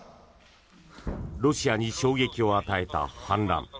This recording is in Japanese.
ロシアに衝撃を与えた反乱。